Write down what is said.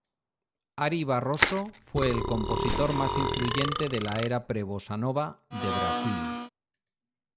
Ary Barroso fue el compositor más influyente de la era pre-bossa nova de Brasil.